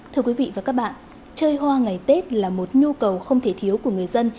thưa quý vị và các bạn chơi hoa ngày tết là một nhu cầu không thể thiếu của người dân